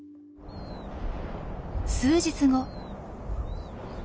数日後。